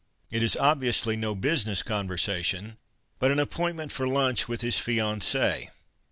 It is obviously no business conversation hut an appointment for lunch with his fianci' e.